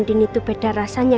gigi sudah selesai